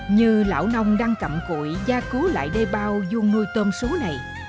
như lão nông đang cặm cụi gia cứu lại đê bao dung nuôi tôm số này